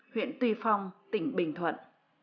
huyện tuy phong tỉnh bình thuận